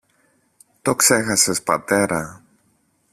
Το ξέχασες, πατέρα;